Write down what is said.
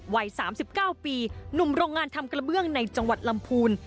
วัย๓๙ปีหนุ่มโรงงานทำกระเบื้องในจังหวัดลำพูน